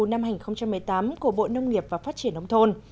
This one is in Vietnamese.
năm hai nghìn một mươi tám của bộ nông nghiệp và phát triển nông thôn